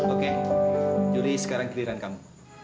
oke julie sekarang ke diri kamu